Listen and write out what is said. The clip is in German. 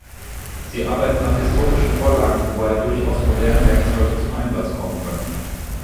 Sie arbeiten nach historischen Vorlagen, wobei durchaus moderne Werkzeuge zum Einsatz kommen können.